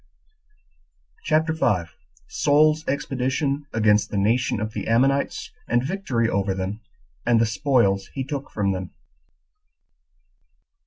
CHAPTER 5. Saul's Expedition Against The Nation Of The Ammonites And Victory Over Them And The Spoils He Took From Them.